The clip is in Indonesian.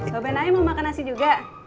bapak naim mau makan nasi juga